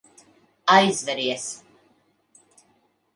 Aizveries.